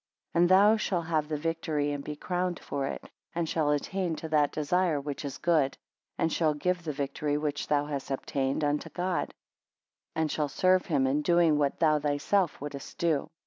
8 And thou shall have the victory, and be crowned for it; and shall attain to that desire which is good; and shall give the victory which thou hast obtained unto God, and shall serve him in doing what thou thyself wouldest do.